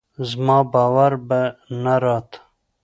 زما باور به نه راته